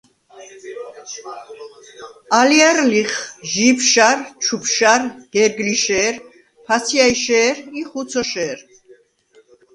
ალჲარ ლიხ: ჟიბშარ, ჩუბშარ, გერგლიშე̄რ, ფაცჲაჲშე̄რ ი ხუცოშე̄რ.